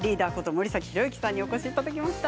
森崎博之さんにお越しいただきました。